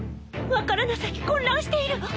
分からなさに混乱しているわ！